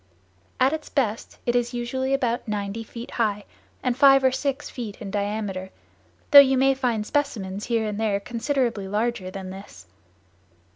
At its best it is usually about ninety feet high and five or six feet in diameter, though you may find specimens here and there considerably larger than this.